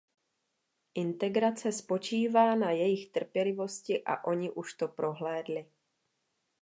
Integrace spočívá na jejich trpělivosti a oni už to prohlédli.